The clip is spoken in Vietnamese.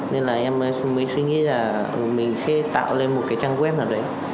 nên là em mới suy nghĩ là mình sẽ tạo lên một cái trang web nào đấy